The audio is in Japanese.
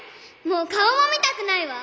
もう顔も見たくないわ！